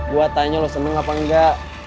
gue tanya lu seneng apa engga